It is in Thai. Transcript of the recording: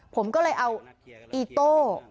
ผมก็เลยเอาอีโต้